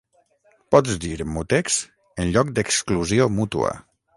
Pots dir "mutex" en lloc d'exclusió mútua.